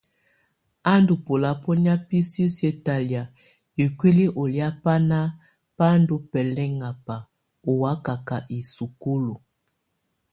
A ndɔ̀ bɔlabɔnɛ̀á bi sisiǝ́ talɛa ikuili ɔ lɛa bana bá ndɔ̀ bɛlɛŋaba ɔ́ wakaka í sukúlu.